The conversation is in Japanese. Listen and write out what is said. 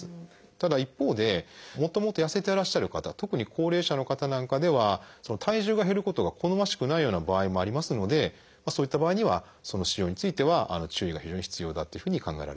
ただ一方でもともと痩せてらっしゃる方特に高齢者の方なんかでは体重が減ることが好ましくないような場合もありますのでそういった場合にはその使用については注意が非常に必要だというふうに考えられています。